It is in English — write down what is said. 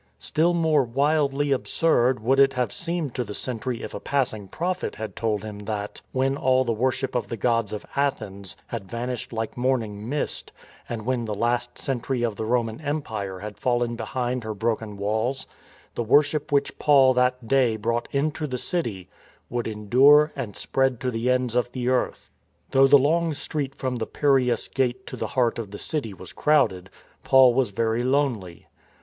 Still more wildly absurd would it have seemed to the sentry if a passing prophet had told him that, when all the worship of the gods of Athens had vanished like morning mist, and when the last sentry of the Roman Empire had fallen behind her broken walls, the worship which Paul that day brought into the city would endure and spread to the ends of the earth. Though the long street from the Piraeus gate to the heart of the city was crowded, Paul was very lonely.